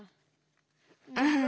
うん。